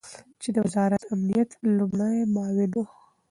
چې د وزارت امنیت لومړی معاون ؤ